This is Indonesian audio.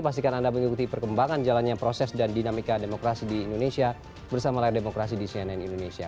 pastikan anda mengikuti perkembangan jalannya proses dan dinamika demokrasi di indonesia bersama layar demokrasi di cnn indonesia